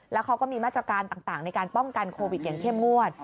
แล้วเขาก็มีมาตรการต่างในการป้องกันโควิดอย่างเข้มงวด